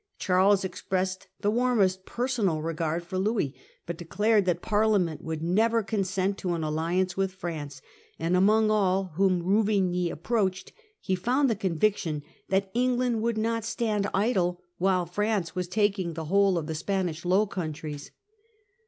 Charles expressed the warmest personal regard for Louis, but de clared that Parliament would never consent to an alliance with France ; and among all whom Ruvigny approached he found the conviction that England would not stand idle while France was taking the whole of the Spanish Low Countries.